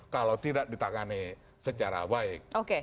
kalau tidak ditangani secara baik